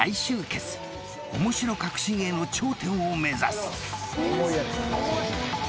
［面白かくし芸の頂点を目指す］